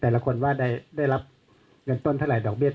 เขาก็ขอบคุณสื่อนะคะ